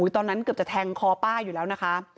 ตอนนั้นเกือบจะแทงคอป้าอยู่แล้วนะคะ